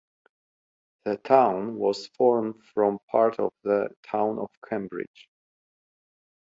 The town was formed from part of the town of Cambridge.